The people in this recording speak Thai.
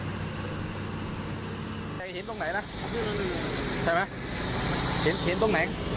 เห็นตรงไหน